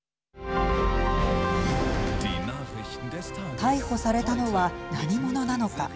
逮捕されたのは何者なのか。